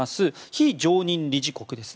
非常任理事国です。